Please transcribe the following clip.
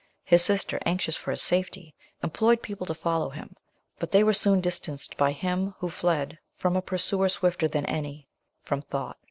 His sister, anxious for his safety, employed people to follow him; but they were soon distanced by him who fled from a pursuer swifter than any from thought.